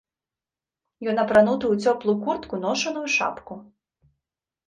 Ён апрануты ў цёплую куртку, ношаную шапку.